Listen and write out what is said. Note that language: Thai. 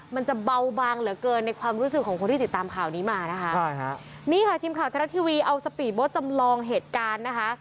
มันจะเบาบางเหลือเกินในความรู้สึกของคนที่ติดตามข่าวนี้มานะคะใช่ค่ะนี่ค่ะทีมข่าวไทยรัฐทีวีเอาสปีดโบ๊ทจำลองเหตุการณ์นะคะ